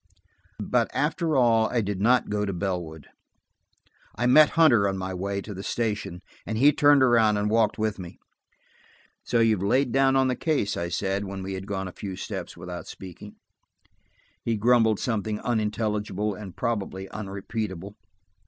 But after all I did not go to Bellwood. I met Hunter on my way to the station, and he turned around and walked with me. "So you've lain down on the case!" I said, when we had gone a few steps without speaking. He grumbled something unintelligible and probably unrepeatable.